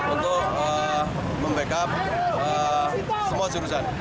untuk membackup semua jurusan